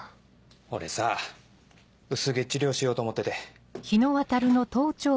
俺さ薄毛治療しようと思ってて。